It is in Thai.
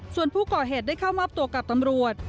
ส่วนผู้ก่อเหตุได้เข้ามอบตัวกับตำรวจ